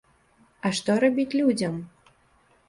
А што рабіць людзям?